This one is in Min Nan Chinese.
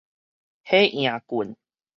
火螢棍